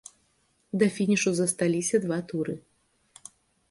Да фінішу засталіся два тура.